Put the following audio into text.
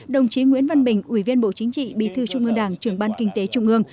đồng chí nguyễn văn bình ủy viên bộ chính trị bí thư trung ương đảng trưởng ban kinh tế trung ương